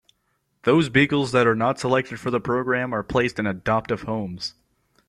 Those beagles that are not selected for the program are placed in adoptive homes.